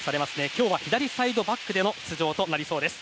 今日は左サイドバックでの出場となりそうです。